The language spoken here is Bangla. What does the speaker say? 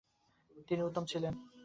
তিনি উত্তম ছিলেন।